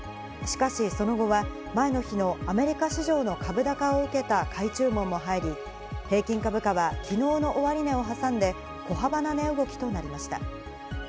しかし、その後は前の日のアメリカ市場の株高を受けた買い注文も入り、平均株価は昨日の終値を挟んで小幅な値動きとなりました。